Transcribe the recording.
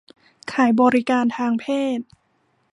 ขายบริการทางเพศ